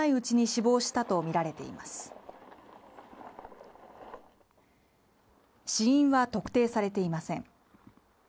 死因は特定されていません